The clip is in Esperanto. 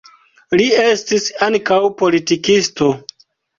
Li estis ankaŭ politikisto.